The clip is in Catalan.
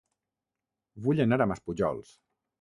Vull anar a Maspujols